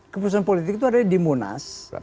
keputusan politik itu ada di munas